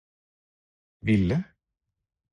ville